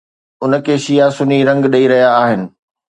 ان کي شيعه سني رنگ ڏئي رهيا آهن.